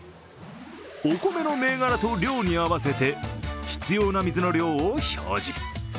お米の銘柄と量に合わせて、必要な水の量を表示。